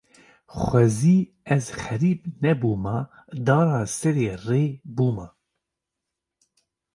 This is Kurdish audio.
Xwezî ez xerîb nebûma, dara serê rê bûma